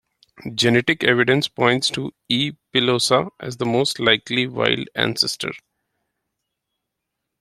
Genetic evidence points to "E. pilosa" as the most likely wild ancestor.